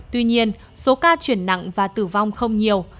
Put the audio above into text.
tuy nhiên số ca chuyển nặng và tử vong không nhiều